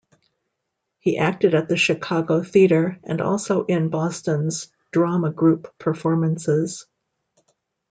He acted at the Chicago Theater and also in Boston's Drama Group performances.